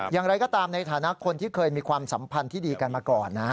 อย่างไรก็ตามในฐานะคนที่เคยมีความสัมพันธ์ที่ดีกันมาก่อนนะ